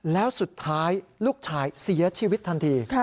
แล้วสุดท้ายลูกชายเสียชีวิตทันที